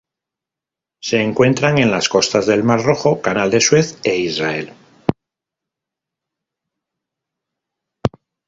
Se encuentran en las costas del Mar Rojo, Canal de Suez e Israel.